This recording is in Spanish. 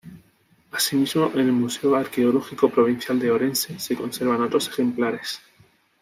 Así mismo en el Museo Arqueológico Provincial de Orense se conservan otros ejemplares.